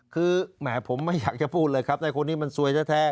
คือแหมผมไม่อยากจะพูดเลยครับแต่คนนี้มันซวยแท้